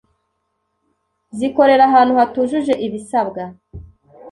zikorera ahantu hatujuje ibisabwa.